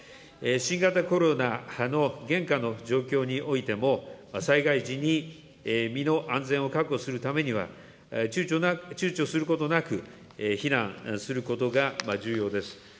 新型コロナの現下の状況においても、災害時に身の安全を確保するためには、ちゅうちょすることなく避難することが重要です。